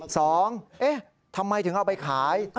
เอ๊ะทำไมถึงเอาไปขาย